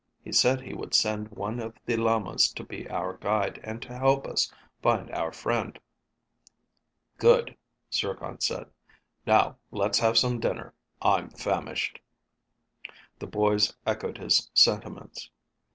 He said he would send one of the lamas to be our guide and to help us find your friend." "Good," Zircon said. "Now, let's have some dinner. I'm famished." The boys echoed his sentiments.